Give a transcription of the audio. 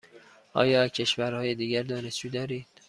آیا از کشورهای دیگر دانشجو دارید؟